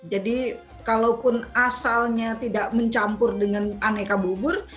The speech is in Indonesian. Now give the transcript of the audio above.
jadi kalaupun asalnya tidak mencampur dengan aneka bugur